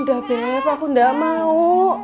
nggak beb aku nggak mau